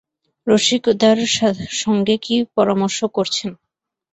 রসিকদার সঙ্গে কী পরামর্শ করছেন?